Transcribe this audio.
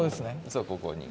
「そうここに」